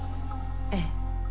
ええ。